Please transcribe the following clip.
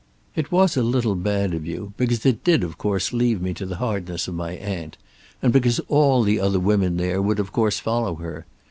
It was a little bad of you, because it did of course leave me to the hardness of my aunt; and because all the other women there would of course follow her.